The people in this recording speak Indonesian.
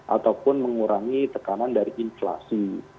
ataupun mengurangi tekanan dari inflasi